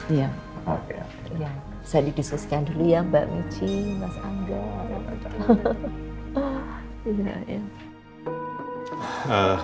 iya bisa didiskusikan dulu ya mbak michi mas angga